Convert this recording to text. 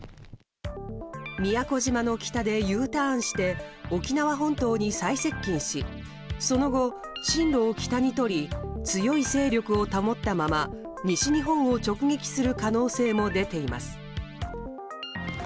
宮古島の北でＵターンして沖縄本島に再接近しその後、進路を北にとり強い勢力を保ったまま西日本を直撃する可能性も出ています。